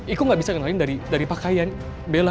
igo gak bisa ngelahin dari pakaian bella